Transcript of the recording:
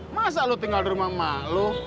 masa lo tinggal di rumah malu